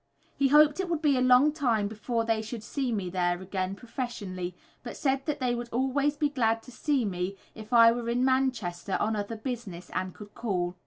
He hoped it would be a long time before they should see me there again professionally, but said that they would always be glad to see me if I were in Manchester on other business, and could call.